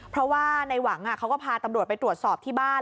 เพราะว่าในหวังเขาก็พาตำรวจไปตรวจสอบที่บ้าน